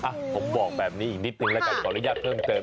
อ่ะผมบอกแบบนี้อีกนิดนึงแล้วกันขออนุญาตเพิ่มเติม